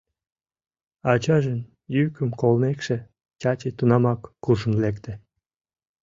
Ачажын йӱкым колмекше, Чачи тунамак куржын лекте.